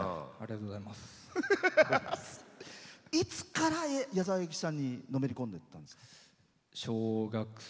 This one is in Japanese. いつから矢沢永吉さんにのめりこんだんですか？